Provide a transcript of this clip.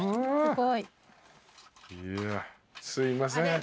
すいません。